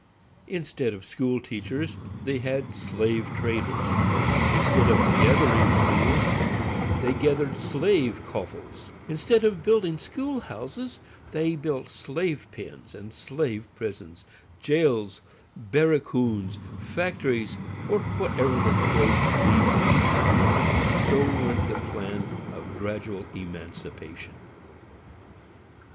Instead of schoolteachers, they had slave traders; instead of gathering schools, they gathered slave coffles; instead of building school houses, they built slave pens and slave prisons, jails, barracoons, factories, or whatever the trade pleases to term them; and so went the plan of gradual emancipation.